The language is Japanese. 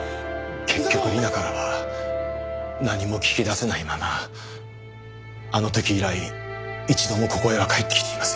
結局理奈からは何も聞き出せないままあの時以来一度もここへは帰ってきていません。